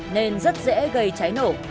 nên rất dễ gây cháy nổ